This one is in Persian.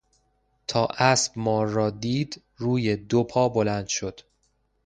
تا اسب مار را دید روی دو پا بلند شد.